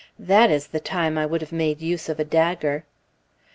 That is the time I would have made use of a dagger.